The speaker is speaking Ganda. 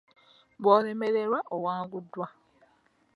Bw'olemererwa, owanguddwa.